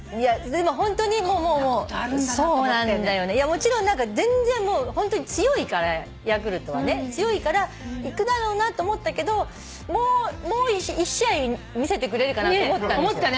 もちろん全然ホントに強いからヤクルトはね強いからいくだろうなと思ったけどもう１試合見せてくれるかなと思ったんですよ。